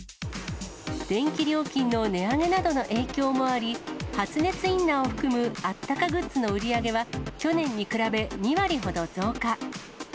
電気料金の値上げなどの影響もあり、発熱インナーを含むあったかグッズの売り上げは、去年に比べ２割ほど増加。